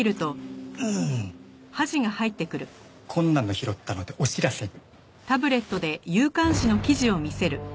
こんなの拾ったのでお知らせに。